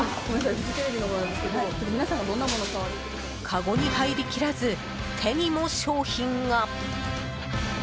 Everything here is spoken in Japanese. かごに入りきらず手にも商品が。